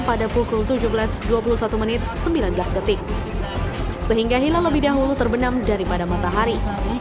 pada pukul tujuh belas dua puluh satu menit sembilan belas detik sehingga hilal lebih dahulu terbenam daripada matahari